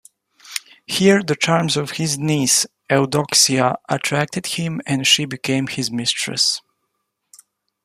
Here the charms of his niece, Eudoxia, attracted him and she became his mistress.